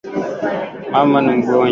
Mama ni mgonjwa